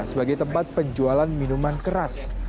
sebagai tempat penjualan minuman keras